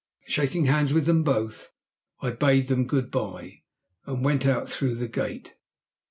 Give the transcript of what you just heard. Shaking hands with them both, I bade them good bye, and went out through the gate.